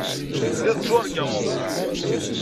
Telliḍ tettwargameḍ.